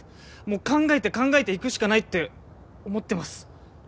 考えて考えていくしかないって思ってます。